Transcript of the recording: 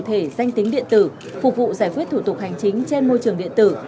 có thể danh tính điện tử phục vụ giải quyết thủ tục hành chính trên môi trường điện tử